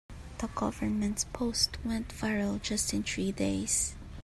The government's post went viral in just three days.